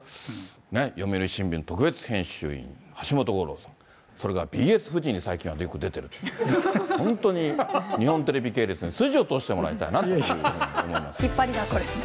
ね、読売新聞特別編集員、橋本五郎さん、それがＢＳフジに最近はよく出てると、本当に日本テレビ系列に筋を通してもらいたいなと思い引っ張りだこですね。